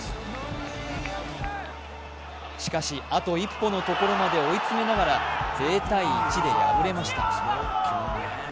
しかし、あと一歩のところまで追い詰めながら０−１で敗れました。